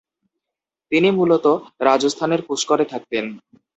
তিনি মূলত রাজস্থানের পুষ্করে থাকতেন।